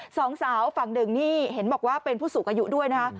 สองสาวฝั่งหนึ่งนี่เห็นบอกว่าเป็นผู้สูงอายุด้วยนะคะ